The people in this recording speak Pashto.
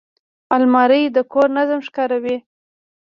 الماري د کور نظم ښکاروي